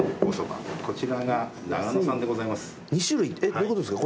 どういうことですか？